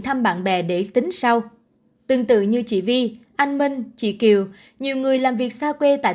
thăm bạn bè để tính sau tương tự như chị vi anh minh chị kiều nhiều người làm việc xa quê tại